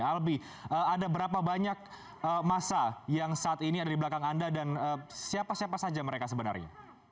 albi ada berapa banyak masa yang saat ini ada di belakang anda dan siapa siapa saja mereka sebenarnya